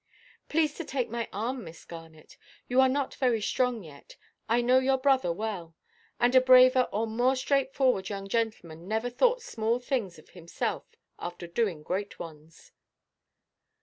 "Please to take my arm, Miss Garnet. You are not very strong yet. I know your brother well; and a braver or more straightforward young gentleman never thought small things of himself after doing great ones."